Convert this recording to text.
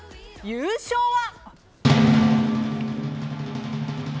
優勝は。